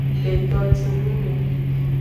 Le tojihun me.